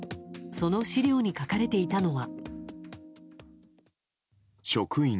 その資料に書かれていたのは。